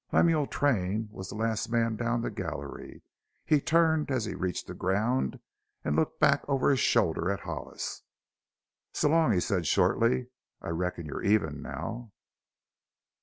Lemuel Train was the last man down the gallery. He turned as he reached the ground and looked back over his shoulder at Hollis. "So long," he said shortly. "I reckon you're even now."